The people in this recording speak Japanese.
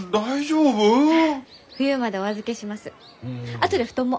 あとで布団も。